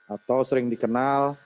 atau sering dikenal